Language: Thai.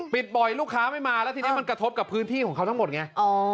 ปิดบ่อยลูกค้าไม่มาแล้วทีนี้มันกระทบกับพื้นที่ของเขาทั้งหมดไง